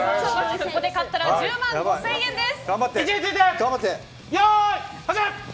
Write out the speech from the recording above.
ここで勝ったら１０万５０００円です。